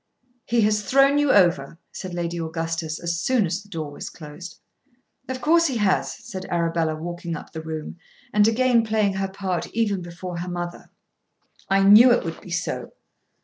"He has thrown you over," said Lady Augustus as soon as the door was closed. "Of course he has," said Arabella walking up the room, and again playing her part even before her mother. "I knew it would be so."